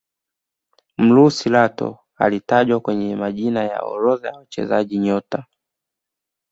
mrusi lato alitajwa kwenye majina ya orodha ya wachezaji nyota